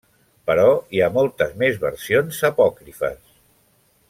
Però hi ha moltes més versions apòcrifes.